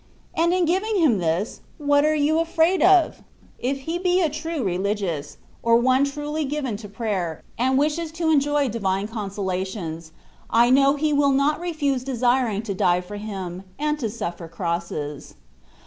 And in giving Him this, what are you afraid of? If he be a true Religious, THE WAY OP PERFECTION. 57 or one truly given to prayer, and wishes to enjoy Divine consolations, I know he will not refiise desiring to die for Him, and to suflFer crosses.